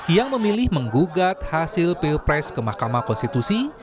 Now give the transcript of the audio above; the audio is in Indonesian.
yang memilih menggugat hasil pilpres ke mahkamah konstitusi